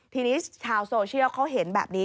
ทีนี้ชาวโซเชียลเขาเห็นแบบนี้